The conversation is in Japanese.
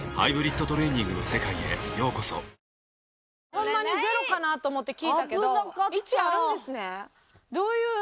ホンマに０かなと思って聞いたけど１あるんですね。